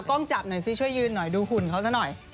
กล้องจับหน่อยซิเชื่อยืนหน่อยดูหุ่นเขาสักหน่อย